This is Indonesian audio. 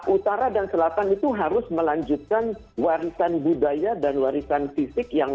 utara dan selatan itu harus melanjutkan warisan budaya dan warisan fisik yang